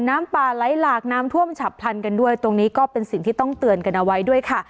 น้ำป่าไหลหลากน้ำท่วมฉับพลันกันด้วยตรงนี้ก็เป็นสิ่งที่ต้องเตือนกันเอาไว้ด้วยค่ะ